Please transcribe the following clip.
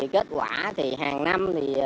kết quả thì hàng năm